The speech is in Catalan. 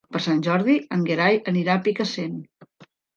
Per Sant Jordi en Gerai anirà a Picassent.